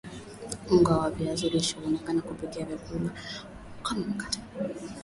unga wa viazi lishe huweza kupikia vyakula kama mkate